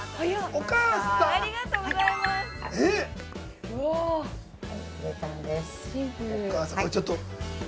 ◆お母さん、これちょっと。